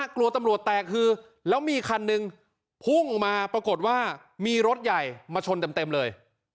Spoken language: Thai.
กลัวตำรวจแตกคือแล้วมีคันหนึ่งพุ่งออกมาปรากฏว่ามีรถใหญ่มาชนเต็มเลย